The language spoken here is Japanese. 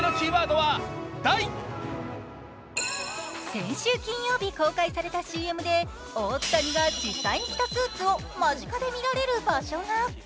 先週金曜日、公開されたＣＭで大谷が実際に着たスーツを間近で見られる場所が。